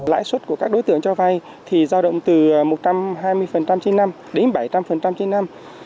lãi suất của các đối tượng cho vay thì giao động từ một trăm hai mươi trên năm đến bảy trăm linh trên năm